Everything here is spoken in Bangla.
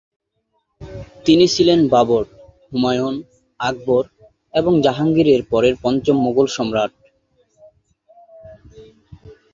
তিনি ছিলেন বাবর, হুমায়ুন, আকবর, এবং জাহাঙ্গীরের পরে পঞ্চম মুঘল সম্রাট।